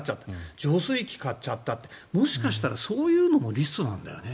浄水器を買っちゃったもしかしたらそういうのもリストなんだよね。